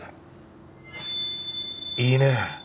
いいねえ